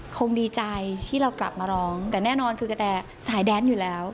คงดีใจที่เรากลับมาร้องแต่แน่นอนคือกระแตสายแดนอยู่แล้ว